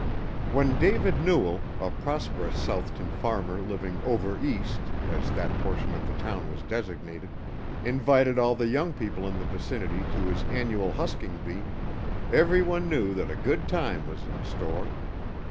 When David Newell, a prosperous Southton farmer living "over east," as that portion of the town was designated, invited all the young people in the vicinity to his annual husking bee, every one knew that a good time was in store.